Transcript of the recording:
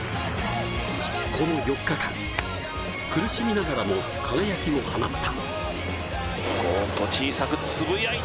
この４日間、苦しみながらも輝きを放った。